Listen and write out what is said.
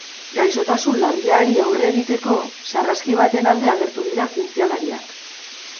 Gaixotasun larriari aurre egiteko, sarraski baten alde agertu dira zientzialariak.